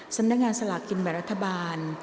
สำนักงานสลากกินแบ่งรัฐบาล